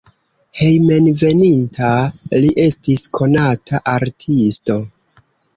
Hejmenveninta li estis konata artisto.